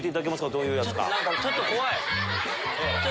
どういうやつか。